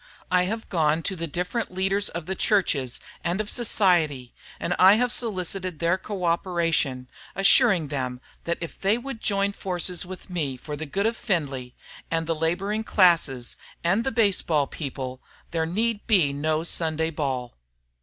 I have gone to the different leaders of the churches and of society, and I have solicited their co operation, assuring them if they would join forces with me for the good of Findlay and the laboring classes and the base ball people, there need be no Sunday ball."